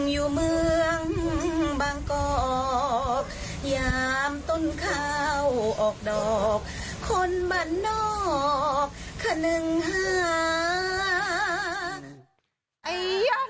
อยู่เมืองบางกอร์คย่ามต้นเข้าออกดอกคนบันนอกขนึงห้า